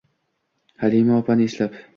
Halima opani eslab